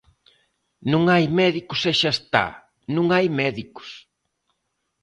Non hai médicos e xa está, ¡non hai médicos!